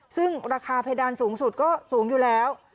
ซึ่งราคาเพดานสูงสุดก็สูงอยู่แล้ว